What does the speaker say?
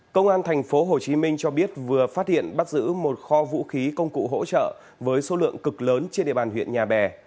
công an tp hcm cho biết vừa phát hiện bắt giữ một kho vũ khí công cụ hỗ trợ với số lượng cực lớn trên địa bàn huyện nhà bè